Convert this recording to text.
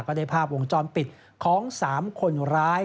ได้ภาพวงจรปิดของ๓คนร้าย